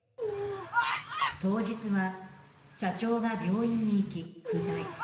当日は社長が病院に行き不在。